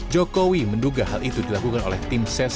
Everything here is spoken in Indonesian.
jokowi menduga hal itu dilakukan oleh tim ses